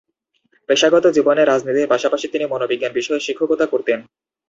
পেশাগত জীবনে রাজনীতির পাশাপাশি তিনি মনোবিজ্ঞান বিষয়ে শিক্ষকতা করতেন।